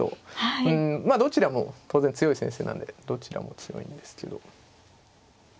うんどちらも当然強い先生なんでどちらも強いんですけど。